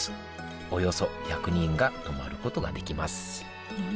およそ１００人が泊まることができます